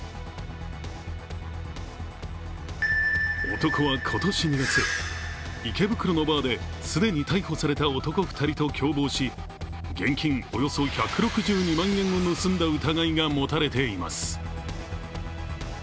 男は今年２月、池袋のバーで既に逮捕された男２人と共謀し、現金およそ１６２万円を盗んだ疑いが持たれています。